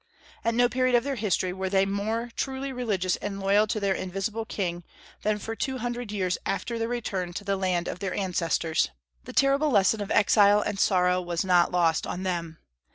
At no period of their history were they more truly religious and loyal to their invisible King than for two hundred years after their return to the land of their ancestors. The terrible lesson of exile and sorrow was not lost on them.